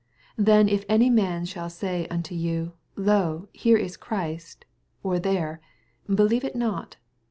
23 Then if any man shall say unto you, Lo, here i» Christ, or there ; be lieve it not.